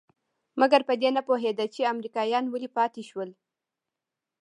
مګر په دې نه پوهېده چې امريکايان ولې پاتې شول.